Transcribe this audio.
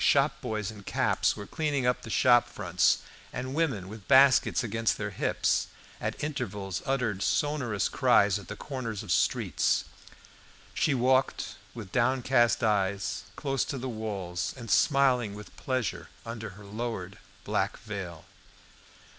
Shop boys in caps were cleaning up the shop fronts, and women with baskets against their hips, at intervals uttered sonorous cries at the corners of streets. She walked with downcast eyes, close to the walls, and smiling with pleasure under her lowered black veil.